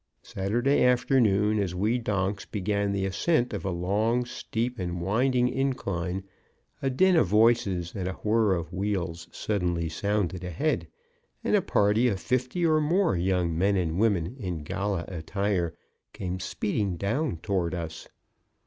Saturday afternoon, as we donks began the ascent of a long, steep, and winding incline, a din of voices and a whir of wheels suddenly sounded ahead, and a party of fifty or more young men and women in gala attire came speeding down toward us.